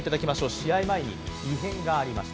試合前に異変がありました。